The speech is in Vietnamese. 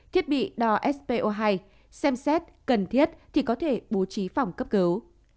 thiết bị đo spo hai xem xét cần thiết thì có thể bố trí phòng cấp cứu